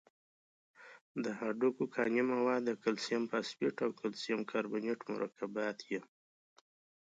د هډوکو کاني مواد د کلسیم فاسفیټ او کلسیم کاربونیت مرکبات دي.